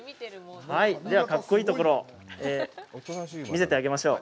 はい、では格好いいところを見せてあげましょう。